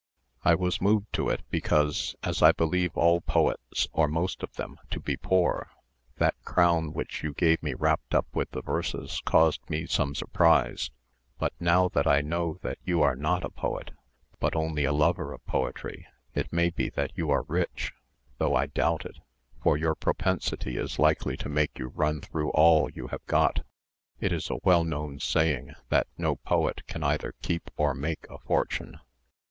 "I was moved to it, because, as I believe all poets, or most of them, to be poor, that crown which you gave me wrapped up with the verses caused me some surprise; but now that I know that you are not a poet, but only a lover of poetry, it may be that you are rich, though I doubt it, for your propensity is likely to make you run through all you have got. It is a well known saying, that no poet can either keep or make a fortune."